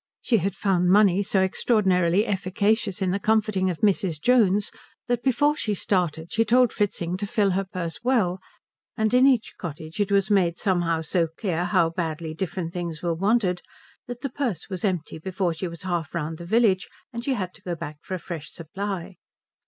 She had found money so extraordinarily efficacious in the comforting of Mrs. Jones that before she started she told Fritzing to fill her purse well, and in each cottage it was made somehow so clear how badly different things were wanted that the purse was empty before she was half round the village and she had to go back for a fresh supply.